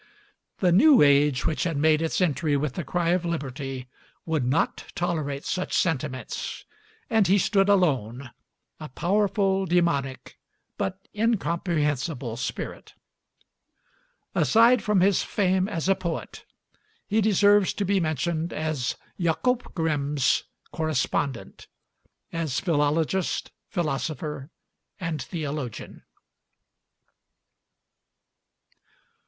The new age which had made its entry with the cry of Liberty would not tolerate such sentiments, and he stood alone, a powerful, demonic, but incomprehensible spirit. Aside from his fame as a poet, he deserves to be mentioned as Jacob Grimm's correspondent, as philologist, philosopher, and theologian.